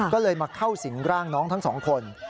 ก็เลยมาเข้าสิงร่างน้องทั้งสองคน